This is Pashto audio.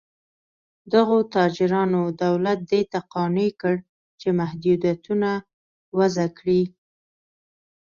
دغو تاجرانو دولت دې ته قانع کړ چې محدودیتونه وضع کړي.